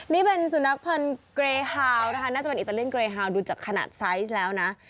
นี่เป็นสุนัขพันธ์เกรฮาวนะคะน่าจะเป็นอิตาเลียนเกรฮาวดูจากขนาดไซส์แล้วนะ